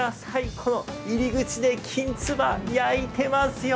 この入り口できんつば焼いてますよ。